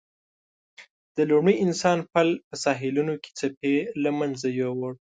د لومړي انسان پل په ساحلونو کې څپې له منځه یووړ.